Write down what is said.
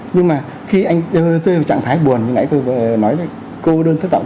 nhưng mà khi anh rơi vào trạng thái buồn như nãy tôi vừa nói cô đơn thất vọng